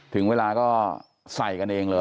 ถึงเวลาก็ใส่กันเองเลย